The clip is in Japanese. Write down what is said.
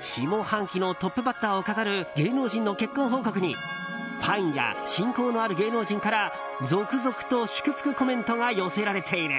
下半期のトップバッターを飾る芸能人の結婚報告にファンや親交のある芸能人から続々と祝福コメントが寄せられている。